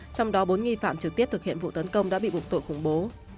trong đó bốn nghi phạm trực tiếp thực hiện vụ tấn công đã bị buộc tội khủng bố